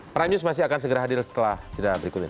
prime news masih akan segera hadir setelah jeda berikut ini